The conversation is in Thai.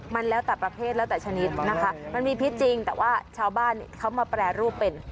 มันแล้วแต่ประเภทแล้วแต่ชนิดนะคะมันมีพิษจริงแต่ว่าชาวบ้านเขามาแปรรูปเป็น